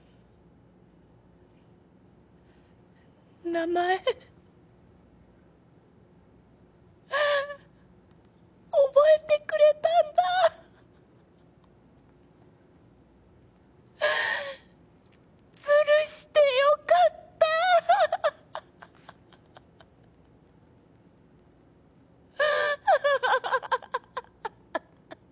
名前覚えてくれたんだぁずるしてよかったぁハハハハハ